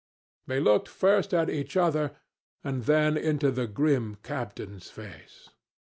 They looked first at each other and then into the grim captain's face.